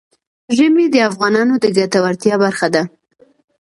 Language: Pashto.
ژمی د افغانانو د ګټورتیا برخه ده.